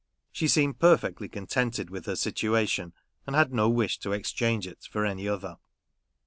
She seemed perfectly con tented with her situation, and had no wish to exchange it for any other.